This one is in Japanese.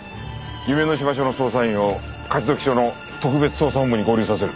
夢の島署の捜査員を勝どき署の特別捜査本部に合流させる。